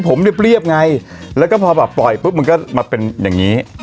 ผมเรียบไงแล้วก็พอแบบปล่อยปุ๊บมันก็มาเป็นอย่างนี้